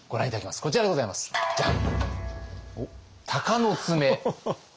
こちらでございますジャン！